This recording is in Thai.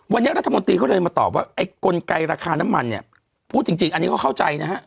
วันนี้รัฐมนตรีก็เลยมาตอบว่าไอ้กลไกราคาน้ำมันเนี่ยพูดจริงอันนี้เขาเข้าใจนะฮะ